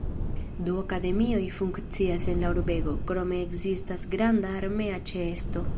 Du akademioj funkcias en la urbego, krome ekzistas granda armea ĉeesto.